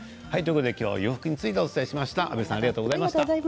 今日は洋服についてお伝えしました。